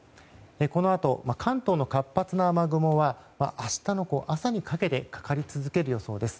このあと、関東の活発な雨雲は明日の朝にかけてかかり続ける予想です。